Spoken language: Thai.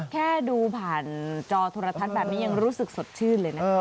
แค่ดูผ่านจอโทรทัศน์แบบนี้ยังรู้สึกสดชื่นเลยนะคะ